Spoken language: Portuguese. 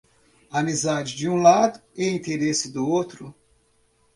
Amizade de um lado e interesse do outro.